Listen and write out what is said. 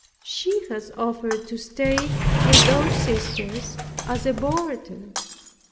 She has offered to stay with those sisters as a boarder.